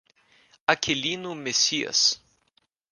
Aquilino Messias